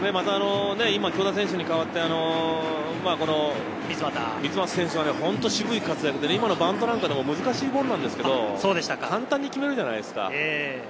今、京田選手に代わって、三ツ俣選手が本当に渋い活躍で今のバントも難しいボールなんですけど、簡単に決めるじゃないですか。